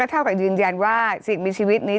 เท่ากับยืนยันว่าสิ่งมีชีวิตนี้